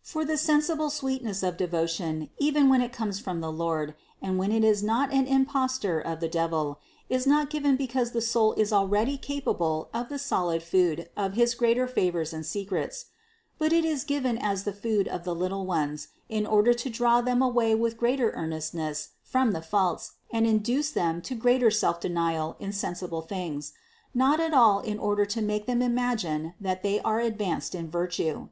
For the sensible sweetness of devotion, even when it comes from the Lord and when it is not an imposture of the devil, is not given because the soul is already capable of the solid food of his greater favors and secrets ; but it is given as the food of the little ones, in order to draw them away with greater earnestness from the faults and induce them to greater self denial in sensible things; not at all in THE CONCEPTION 481 order to make them imagine that they are advanced in virtue.